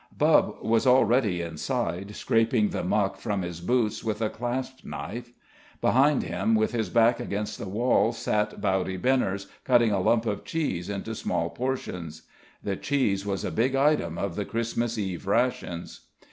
Bubb was already inside, scraping the muck from his boots with a clasp knife. Behind him, with his back against the wall, sat Bowdy Benners, cutting a lump of cheese into small portions. The cheese was a big item of the Christmas Eve rations.